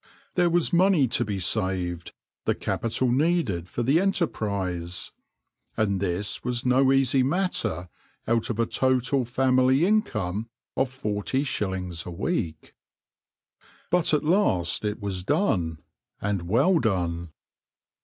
There was money to be saved, the capital needed for the enterprise ; and this was no easy matter out of a total family income of forty shillings a week. But at last it was done, and well done.